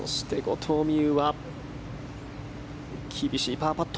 そして後藤未有は厳しいパーパット。